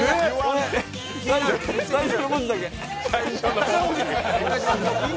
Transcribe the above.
最初の文字だけ。